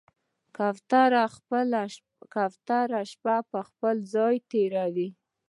کوتره شپه په خپل ځاله تېروي.